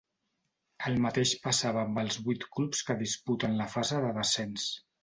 El mateix passava amb els vuit clubs que disputen la fase de descens.